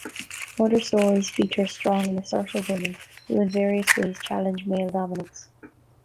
Other stories feature strong and assertive women who in various ways challenge male dominance.